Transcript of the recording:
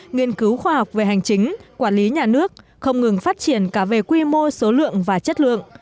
nghiên cứu khoa học về hành chính quản lý nhà nước không ngừng phát triển cả về quy mô số lượng và chất lượng